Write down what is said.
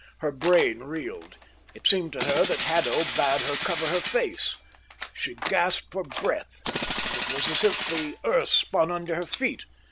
Her brain reeled. It seemed to her that Haddo bade her cover her face. She gasped for breath, and it was as if the earth spun under her feet.